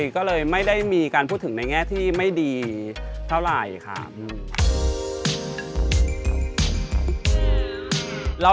ก็เลยไม่ได้มีการพูดถึงในแง่ที่ไม่ดีเท่าไหร่ครับ